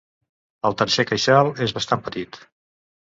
El tercer queixal és bastant petit.